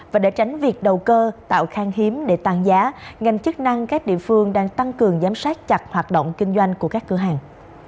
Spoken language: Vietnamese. và để tránh việc đầu cơ tạo khang hiếm để tăng giá ngành chức năng các địa phương đang tăng cường giám sát chặt hoạt động kinh doanh của các cửa hàng